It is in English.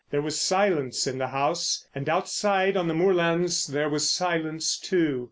There was silence in the house, and outside on the moorlands there was silence, too.